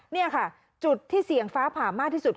นี่ค่ะจุดที่เสี่ยงฟ้าผ่ามากที่สุด